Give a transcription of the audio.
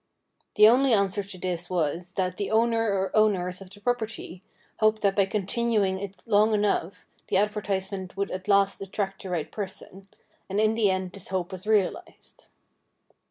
The only answer to this was that the owner or owners of the property hoped that by continuing it long enough, the advertisement would at last attract the right person, and in the end this hope was realised.